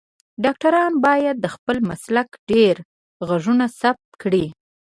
ډاکټران باید د خپل مسلک ډیر غږونه ثبت کړی